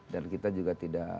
dan kita juga tidak